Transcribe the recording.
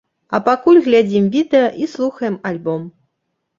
А пакуль глядзім відэа і слухаем альбом!